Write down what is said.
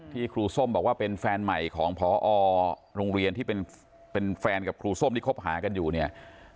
ครูส้มบอกว่าเป็นแฟนใหม่ของพอโรงเรียนที่เป็นแฟนกับครูส้มที่คบหากันอยู่เนี่ย